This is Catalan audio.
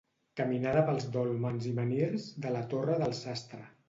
Caminada pels dòlmens i menhirs de la Torre del Sastre.